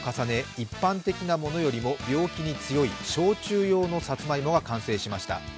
一般的なものよりも病気に強い焼酎用のサツマイモが完成しました。